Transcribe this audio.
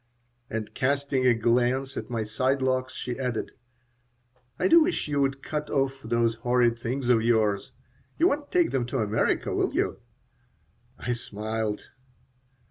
And casting a glance at my side locks, she added: "I do wish you would cut off those horrid things of yours. You won't take them to America, will you?" I smiled.